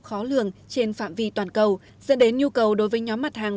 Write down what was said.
khó lường trên phạm vi toàn cầu dẫn đến nhu cầu đối với nhóm mặt hàng